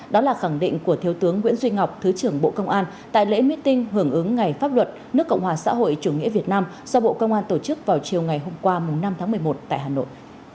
đó là khẳng định của thiếu tướng nguyễn duy ngọc thứ trưởng bộ công an tại lễ meeting hưởng ứng ngày pháp luật nước cộng hòa xã hội chủ nghĩa việt nam do bộ công an tổ chức vào chiều ngày hôm qua năm tháng một mươi một tại hà nội